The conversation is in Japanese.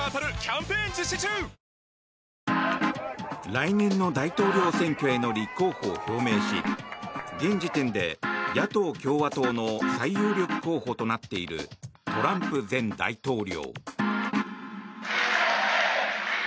来年の大統領選挙への立候補を表明し現時点で野党・共和党の最有力候補となっているトランプ前大統領。